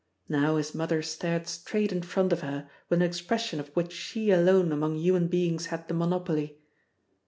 Now his mother stared straight in front of her with an expression of which she alone among human beings had the monopoly.